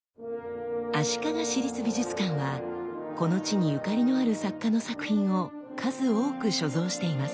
足利市立美術館はこの地にゆかりのある作家の作品を数多く所蔵しています。